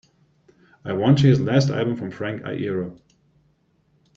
I want to hear the last album from Frank Iero